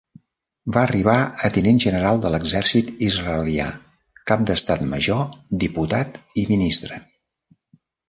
Va arribar a tinent general de l'exèrcit israelià, Cap d'Estat Major, diputat i Ministre.